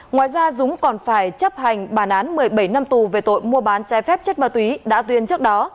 ngoài ra dũng còn phải chấp hành bàn án một mươi bảy năm tù về tội mua bán chai phép chất ma túy đã tuyên trước đó